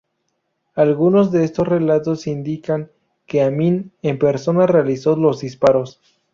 Algunos de estos relatos indican que Amín en persona realizó los disparos.